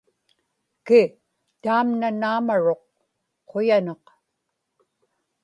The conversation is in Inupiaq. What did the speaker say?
ki, taamna naamaruq, quyanaq